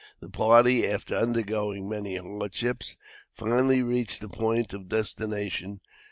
The party, after undergoing many hardships, finally reached their point of destination.